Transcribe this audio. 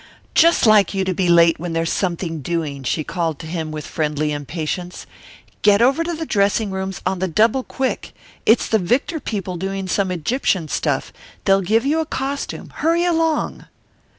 "Just like you to be late when there's something doing!" she called to him with friendly impatience. "Get over to the dressing rooms on the double quick. It's the Victor people doing some Egyptian stuff they'll give you a costume. Hurry along!"